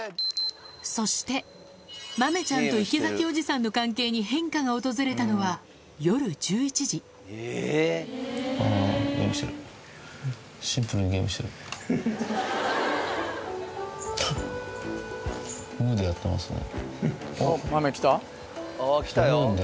そして豆ちゃんと池崎おじさんの関係に変化が訪れたのは夜１１時そうですね。